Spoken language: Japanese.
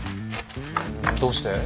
どうして？